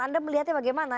anda melihatnya bagaimana